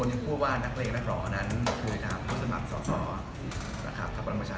แล้วเราก็ไม่ได้ให้